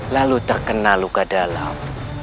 lalu terkena luka dalam